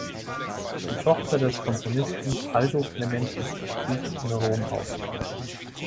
Die Tochter des Komponisten Aldo Clementi wuchs in Rom auf.